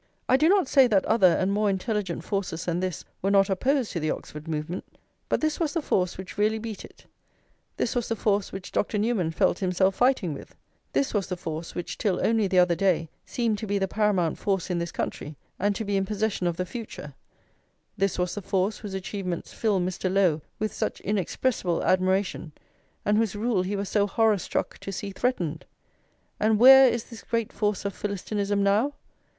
I do not say that other and more intelligent forces than this were not opposed to the Oxford movement: but this was the force which really beat it; this was the force which Dr. Newman felt himself fighting with; this was the force which till only the other day seemed to be the paramount force in this country, and to be in possession of the future; this was the force whose achievements fill Mr. Lowe with such inexpressible admiration, and whose rule he was so horror struck to see threatened. And where is this great force of Philistinism now?